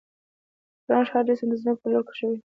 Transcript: ګرانش هر جسم د ځمکې پر لور کشوي.